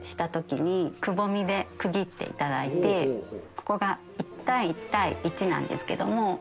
ここが１対１対１なんですけども。